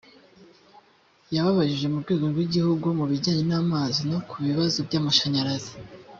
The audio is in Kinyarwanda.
ybibajije mu rwego rw’igihugu mu bijyanye n’amazi no ku bibazo by’amashanyarazi